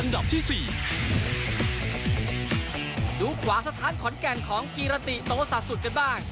ดูขวาสถานขอนแก่นของกีรติโตสะสุดกันบ้าง